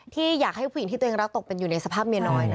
ที่อยากให้ผู้หญิงที่ตัวเองรักตกเป็นอยู่ในสภาพเมียน้อย